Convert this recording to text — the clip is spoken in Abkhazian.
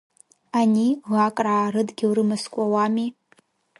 Ани, Лакраа рыдгьыл рымазкуа уами?